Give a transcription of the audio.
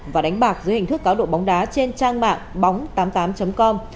và đánh bạc dưới hình thức cáo độ bóng đá trên trang mạng bóng tám mươi tám com